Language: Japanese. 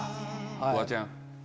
フワちゃん。